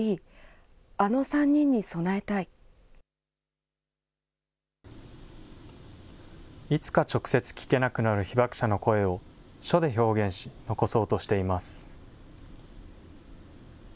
いつか直接聞けなくなる被爆者の声を、書で表現し、残そうとしています。